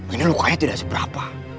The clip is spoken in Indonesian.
ini lukanya tidak seberapa